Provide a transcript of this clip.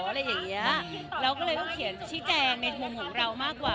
อะไรอย่างเงี้ยเราก็เลยต้องเขียนชี้แจงในมุมของเรามากกว่า